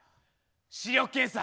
視力検査。